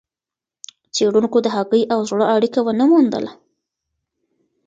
څېړونکو د هګۍ او زړه اړیکه ونه موندله.